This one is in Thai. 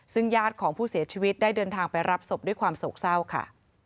ซึ่งญาติของผู้เสียชีวิตได้เดินทางไปรับศพด้วยความโศกเศร้าค่ะ